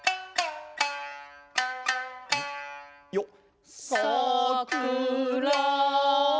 よっ。